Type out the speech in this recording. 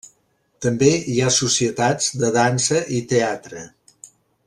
També hi ha societats de dansa i teatre.